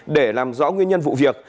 để làm rõ nguyên nhân vụ việc